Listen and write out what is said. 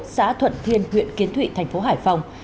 xã thuận thiên huyện kiến thụy thành phố hải phòng